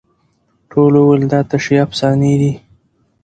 ټولو وویل دا تشي افسانې دي